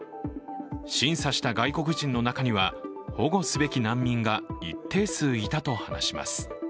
審査した外国人の中には保護すべき難民が一定数いたと話します。